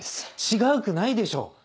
違うくないでしょう！